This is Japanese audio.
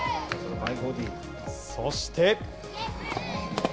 そして。